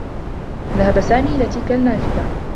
ذهب سامي إلى تلك النّافذة.